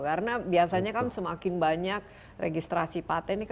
karena biasanya kan semakin banyak registrasi patent